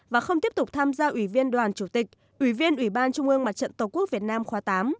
và không tiếp tục tham gia ủy viên đoàn chủ tịch ủy viên ủy ban trung ương mặt trận tổ quốc việt nam khóa tám